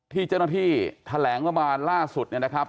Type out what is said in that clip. ที่เจ้าหน้าที่แถลงประมาณล่าสุดนะครับ